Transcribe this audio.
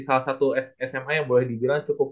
salah satu sma yang boleh dibilang cukup